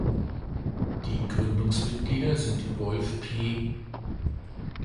Die Gründungsmitglieder sind Wolf-P.